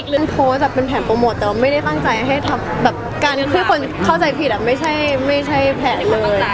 ก็เลยโทรจะเป็นแผนโปรโมทแต่ว่าไม่ได้ฝั่งใจให้ทำการที่คนเข้าใจผิดอะไม่ใช่แผนเลย